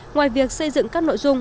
ngoài việc xây dựng các nội dung